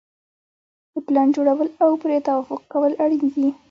د پلان جوړول او پرې توافق کول اړین دي.